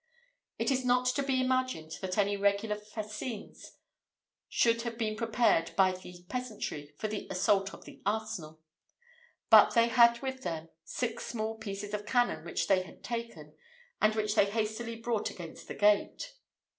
It is not to be imagined that any regular fascines should have been prepared by the peasantry for the assault of the arsenal, but they had with them six small pieces of cannon which they had taken, and which they hastily brought against the gate.